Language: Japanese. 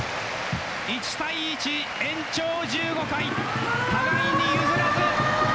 １対１延長１５回互いに譲らず！